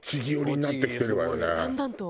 だんだんと。